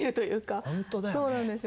そうなんですよ。